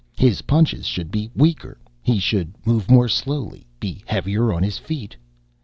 His punches should be weaker. He should move more slowly, be heavier on his feet.